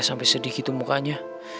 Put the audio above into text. sampai sedih gitu mukanya